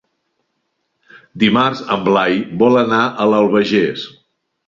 Dimarts en Blai vol anar a l'Albagés.